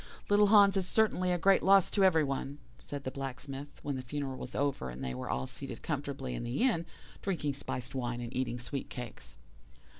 "'Little Hans is certainly a great loss to every one,' said the Blacksmith, when the funeral was over, and they were all seated comfortably in the inn, drinking spiced wine and eating sweet cakes.